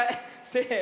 せの。